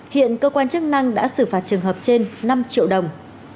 hiện cơ quan chức năng đã xử phạt trường hợp trên năm triệu đồng